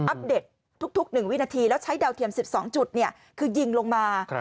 เด็กทุก๑วินาทีแล้วใช้ดาวเทียม๑๒จุดคือยิงลงมา